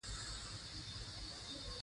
سانتیاګو پوهیږي چې خزانه په سفر کې نه وه.